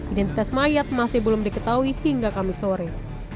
identitas mayat masih belum diketahui hingga kamis sore